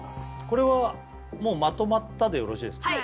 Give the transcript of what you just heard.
これはもうまとまったでよろしいですか？